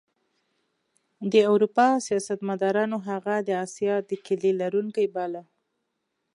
د اروپا سیاستمدارانو هغه د اسیا د کیلي لرونکی باله.